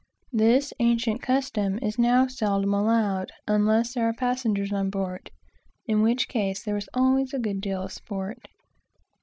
This ancient custom is now seldom allowed, unless there are passengers on board, in which case there is always a good deal of sport.